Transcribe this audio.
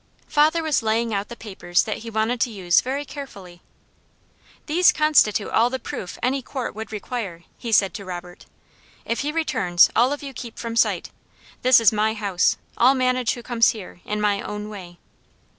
Father was laying out the papers that he wanted to use very carefully. "These constitute all the proof any court would require," he said to Robert. "If he returns, all of you keep from sight. This is my house; I'll manage who comes here, in my own way."